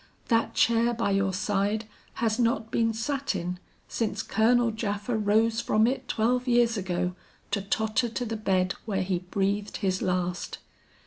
That chair by your side has not been sat in since Colonel Japha rose from it twelve years ago to totter to the bed where he breathed his last.